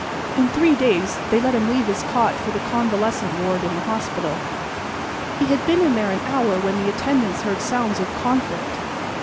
In three days they let him leave his cot for the convalescent ward in the hospital. He had been in there an hour when the attendants heard sounds of conflict.